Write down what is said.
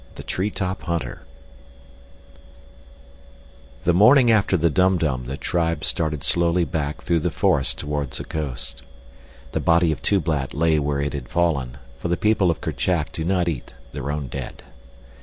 The Tree top Hunter The morning after the Dum Dum the tribe started slowly back through the forest toward the coast. The body of Tublat lay where it had fallen, for the people of Kerchak do not eat their own dead.